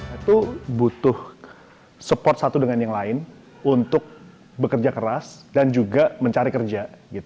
itu butuh support satu dengan yang lain untuk bekerja keras dan juga mencari kerja